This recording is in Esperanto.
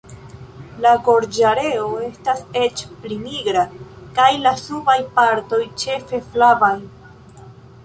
La gorĝareo estas eĉ pli nigra, kaj la subaj partoj ĉefe flavaj.